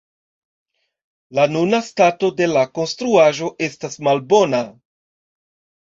La nuna stato de la konstruaĵo estas malbona.